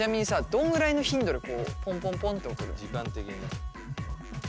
どんぐらいの頻度でポンポンポンって送るの？